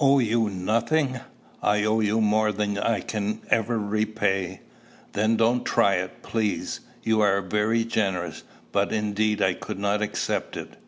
"Owe you nothing! I owe you more than I can ever repay." "Then don't try it, please. You are very generous; but indeed I could not accept it."